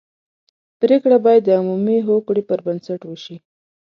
پرېکړه باید د عمومي هوکړې پر بنسټ وشي.